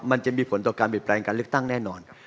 มันจะมีผลต่อการบิดแปลงการเลือกตั้งแน่นอนครับ